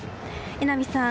榎並さん